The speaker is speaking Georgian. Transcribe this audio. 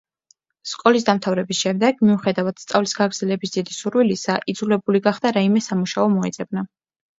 სკოლის დამთავრების შემდეგ, მიუხედავად სწავლის გაგრძელების დიდი სურვილისა, იძულებული გახდა რაიმე სამუშაო მოეძებნა.